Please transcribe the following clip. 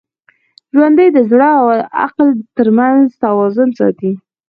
ژوندي د زړه او عقل تر منځ توازن ساتي